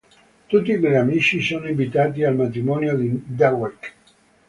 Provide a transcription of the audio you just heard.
Tutti gli amici sono invitati al matrimonio di Derrick.